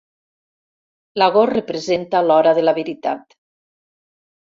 L'agost representa l'hora de la veritat.